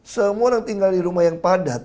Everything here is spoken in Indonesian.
semua orang tinggal di rumah yang padat